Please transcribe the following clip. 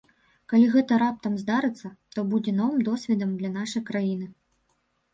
Калі гэта раптам здарыцца, то будзе новым досведам для нашай краіны.